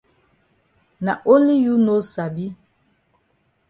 Na only you no sabi.